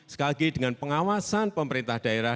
sekali lagi dengan pengawasan pemerintah daerah